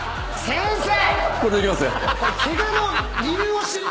先生！